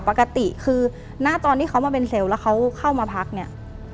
ปกติคือหน้าตอนที่เขามาเป็นเซลล์แล้วเขาเข้ามาพักเนี่ย